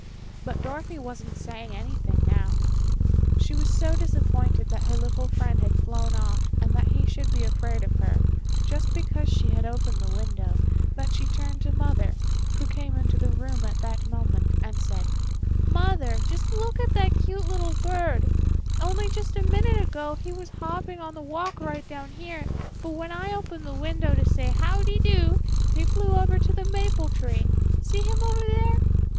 But Dorothy wasn't saying anything now. She was so disappointed that her little friend had flown off and that he should be afraid of her, just because she had opened the window, that she turned to Mother, who came into the room at that moment, and said: "Mother, just look at that cute little bird; only just a minute ago he was hopping on the walk right down here, but when I opened the window to say 'How de doo!' he flew over to the maple tree. See him over there?"